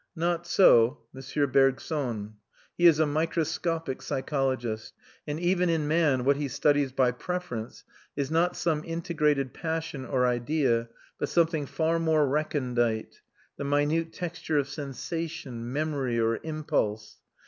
Not so M. Bergson: he is a microscopic psychologist, and even in man what he studies by preference is not some integrated passion or idea, but something far more recondite; the minute texture of sensation, memory, or impulse.